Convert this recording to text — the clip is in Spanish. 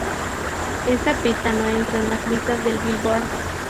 Esta pista no entró en las listas del "Billboard".